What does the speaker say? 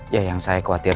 ya yang saya khawatirkan